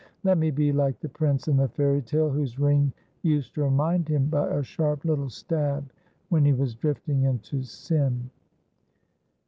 ' Let me be like the prince in the fairy tale, whose ring used to remind him by a sharp little stab when he was drifting into sin.'